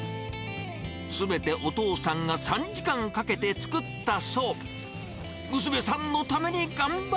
すべてお父さんが３時間かけて作ったそう。